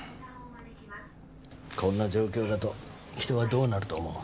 こんな状況だと人はどうなると思う？